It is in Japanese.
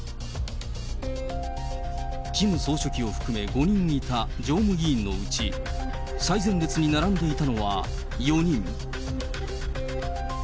キム総書記を含め、５人いた常務委員のうち、最前列に並んでいたのは４人。